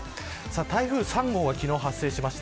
台風３号が昨日発生しました。